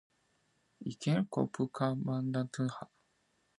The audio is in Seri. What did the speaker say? Icaticpan cop cmaa ntica ha.